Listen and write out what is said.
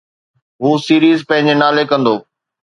هو سيريز پنهنجي نالي ڪندو.